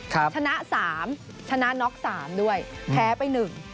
ชนะ๓ชนะน็อค๓ด้วยแพ้ไป๑